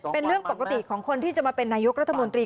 เป็นเรื่องปกติของคนที่จะมาเป็นนายกรัฐมนตรี